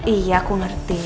iya aku ngerti